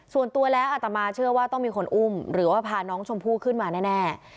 ส่วนตัวแล้วอัตมาเชื่อว่าต้องมีคนอุ้มหรือว่าพาน้องชมพู่ขึ้นมาแน่